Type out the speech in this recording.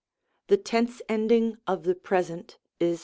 The tense ending of the Present is 6?